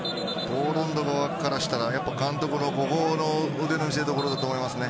ポーランド側からしたら監督の腕の見せどころだと思いますね。